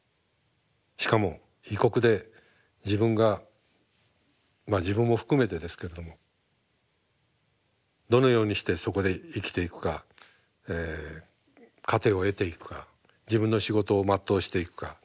しかも異国で自分が自分も含めてですけれどもどのようにしてそこで生きていくか糧を得ていくか自分の仕事を全うしていくか。